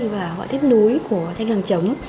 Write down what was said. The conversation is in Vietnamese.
và hoạn tiết núi của tranh hàng chống